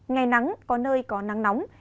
ngày nắng có nơi có nắng nóng